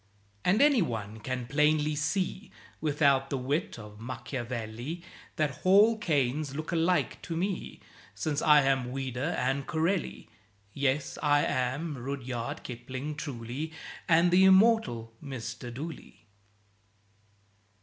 And anyone can plainly see, Without the wit of Machiavelli, That "Hall Caines look alike to me," Since I am Ouida and Corelli. Yes, I am Rudyard Kipling, truly, And the immortal Mr. Dooley.